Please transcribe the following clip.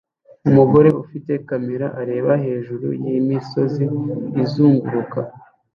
Umugore ufite kamera areba hejuru yimisozi izunguruka